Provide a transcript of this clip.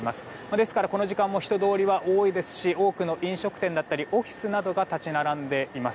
ですから、この時間も人通りは多いですし多くの飲食店だったりオフィスなどが立ち並んでいます。